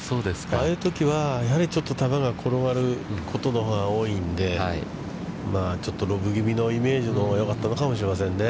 ああいうときは球が転がることのほうが多いんで、ちょっとロブぎみのイメージのほうがよかったかもしれませんね。